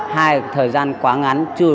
hai là thời gian quá ngắn